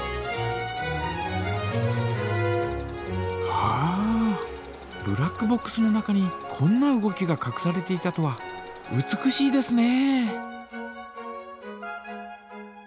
はあブラックボックスの中にこんな動きがかくされていたとは美しいですね！